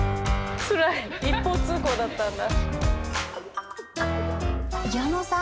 一方通行だったんだ。